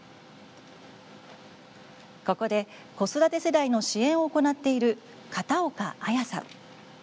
ここで子育て世代の支援を行っている片岡綾さん。